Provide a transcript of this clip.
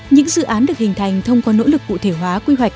những dự án được hình thành thông qua nỗ lực cụ thể hóa quy hoạch